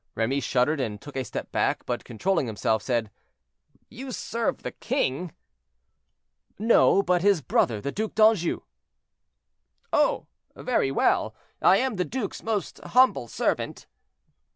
Remy shuddered and took a step back, but controlling himself, said: "You serve the king?" "No, but his brother, the Duc d'Anjou." "Oh! very well! I am the duke's most humble servant."